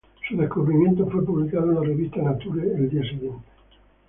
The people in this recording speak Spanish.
Su descubrimiento fue publicado en la revista Nature el día siguiente.